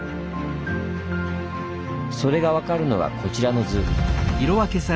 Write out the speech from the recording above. それが分かるのがこちらの図。